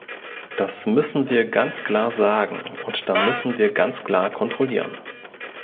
Das müssen wir ganz klar sagen, und da müssen wir ganz klar kontrollieren.